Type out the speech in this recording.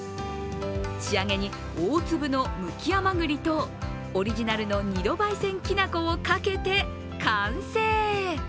仕上げに大粒の向き甘栗とオリジナルの２度ばい煎きな粉をかけて完成。